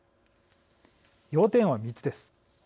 要点は３つです。